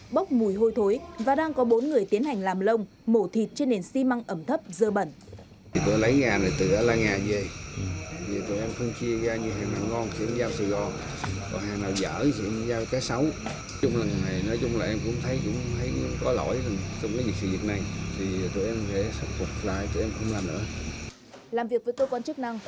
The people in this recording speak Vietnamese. bốc mùi hôi thối và đang có bốn người tiến hành làm lông mổ thịt trên nền xi măng ẩm thấp dơ bẩn